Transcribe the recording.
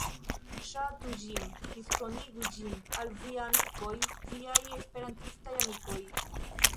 Ŝatu ĝin, diskonigu ĝin al viaj amikoj, viaj Esperantaj amikoj.